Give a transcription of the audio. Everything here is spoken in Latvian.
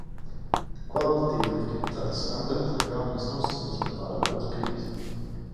Kvalitatīvi likviditātes standarti ir galvenais nosacījums, lai pārvarētu krīzi.